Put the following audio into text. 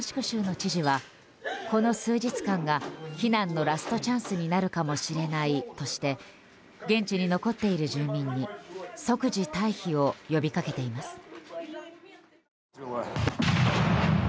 州の知事はこの数日間が避難のラストチャンスになるかもしれないとして現地に残っている住民に即時退避を呼び掛けています。